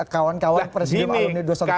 kawan kawan presidium alunia dua ratus sebelas